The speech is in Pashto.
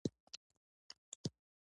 اکبرجان چینی او ګلداد پسه له رسۍ ونیوه.